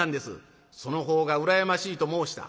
「その方が羨ましいと申した」。